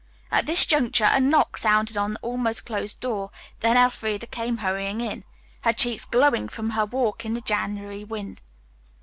At this juncture a knock sounded on the almost closed door, then Elfreda came hurrying in, her cheeks glowing from her walk in the January wind.